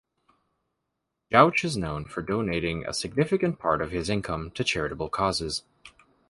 Jauch is known for donating a significant part of his income to charitable causes.